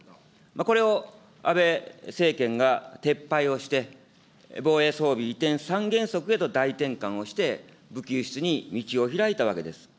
これを安倍政権が撤廃をして、防衛装備移転三原則へと大転換をして、武器輸出に道を開いたわけです。